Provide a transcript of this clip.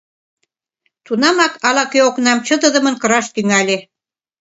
Тунамак ала-кӧ окнам чытыдымын кыраш тӱҥале.